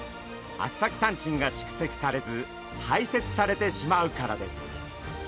アスタキサンチンが蓄積されず排泄されてしまうからです。